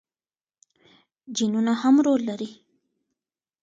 جینونه هم رول لري.